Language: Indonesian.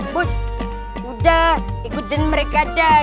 push udah ikutin mereka dah